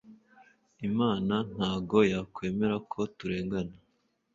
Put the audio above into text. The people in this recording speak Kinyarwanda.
imana ntago yakwemera ko turengana